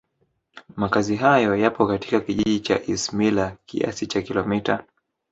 Makazi hayo yapo katika Kijiji cha Isimila kiasi cha Kilomita